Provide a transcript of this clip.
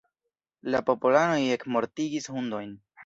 La popolanoj ekmortigis hundojn.